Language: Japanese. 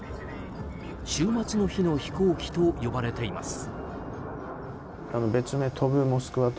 終末の日の飛行機と呼ばれています。